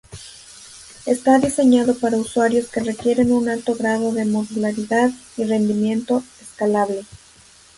Está diseñado para usuarios que requieren un alto grado de modularidad y rendimiento escalable.